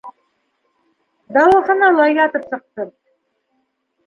Дауаханала ятып сыҡтым.